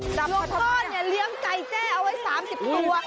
หลวงพ่อเนี่ยเลี้ยงไก่แจ้เอาไว้๓๐ตัว